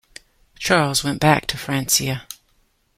Charles went back to Francia.